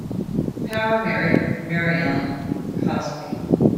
Power married Mary Ellen Crosbie.